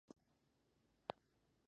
رومي وایي د مینې شرحه کولو هڅه مې وکړه.